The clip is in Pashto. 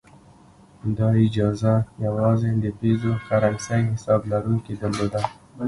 دا اجازه یوازې د پیزو کرنسۍ حساب لرونکو درلوده.